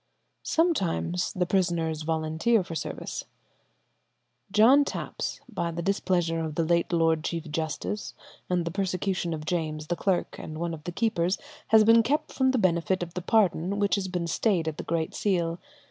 Sometimes the prisoners volunteer for service. "John Tapps, by the displeasure of the late Lord Chief Justice and the persecution of James the clerk and one of the keepers, has been kept from the benefit of the pardon which has been stayed at the Great Seal.